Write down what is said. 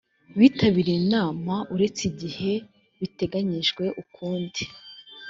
bitabiriye inama uretse igihe biteganyijwe ukundi